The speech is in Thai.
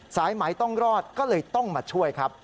สายไหมต้องรอดก็เลยต้องมาช่วยครับ